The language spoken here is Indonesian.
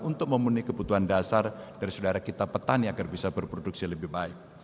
untuk memenuhi kebutuhan dasar dari saudara kita petani agar bisa berproduksi lebih baik